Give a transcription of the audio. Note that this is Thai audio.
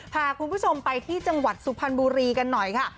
พาคุณผู้ชมไปที่จังหวัดสุพรรณบุรีกันหน่อยค่ะ